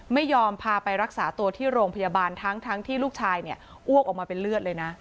ไม่ยอมพาไปรักษาตัวที่โรงพยาบาลทั้งที่ลูกชายเนี่ยอ้วกออกมาเป็นเลือดเลยนะ